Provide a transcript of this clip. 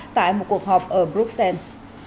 tại một cuộc họp ở bruxelles